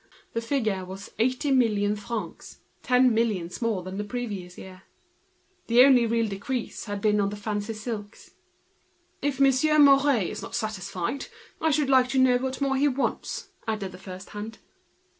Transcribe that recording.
The figure was eighty million francs, ten millions more than the preceding year. The only real decrease was on the fancy silks. "If Monsieur Mouret is not satisfied, I should like to know what more he wants," added the first hand.